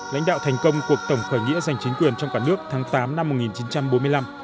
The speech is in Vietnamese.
lãnh đạo thành công cuộc tổng khởi nghĩa giành chính quyền trong cả nước tháng tám năm một nghìn chín trăm bốn mươi năm